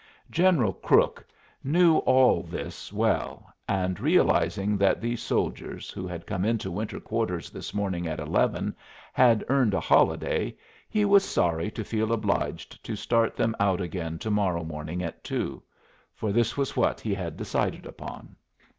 General Crook knew all this well; and realizing that these soldiers, who had come into winter quarters this morning at eleven, had earned a holiday, he was sorry to feel obliged to start them out again to morrow morning at two; for this was what he had decided upon.